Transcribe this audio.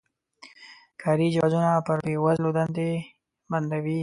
کاري جوازونه پر بې وزلو دندې بندوي.